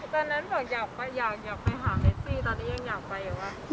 ตอนนั้นแบบอยากไปหาแอซี่ตอนนี้ยังอยากไปหรือเปล่า